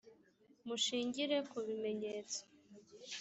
mushingire kubimenyetso.